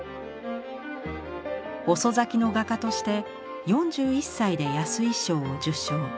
遅咲きの画家として４１歳で安井賞を受賞。